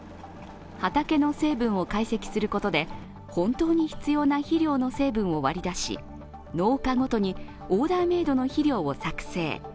畑の成分を解析することで本当に必要な肥料の成分を割り出し農家ごとにオーダーメイドの肥料を作成。